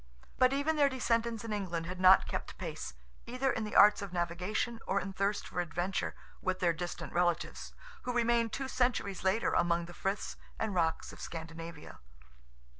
But even their descendants in England had not kept pace, either in the arts of navigation or in thirst for adventure, with their distant relatives, who remained two centuries later among the friths and rocks of Scandinavia.